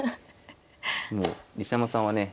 もう西山さんはね